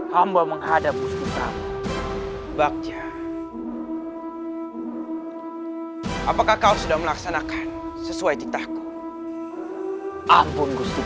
hamba menghadap bapak apakah kau sudah melaksanakan sesuai citaq ampun gusti